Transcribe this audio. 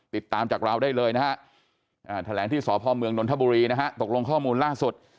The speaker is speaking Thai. ติดตามจากเราได้เลยนะฮะแถลงที่สพเมืองนนทบุรีนะฮะตกลงข้อมูลล่าสุด